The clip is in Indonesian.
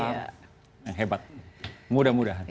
yang hebat mudah mudahan